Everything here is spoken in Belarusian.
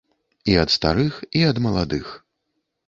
І ад старых, і ад маладых.